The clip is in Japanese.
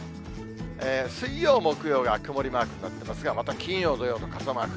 水曜、木曜が曇りマークになってますが、また金曜、土曜と傘マーク。